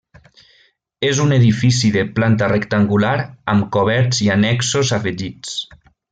És un edifici de planta rectangular amb coberts i annexos afegits.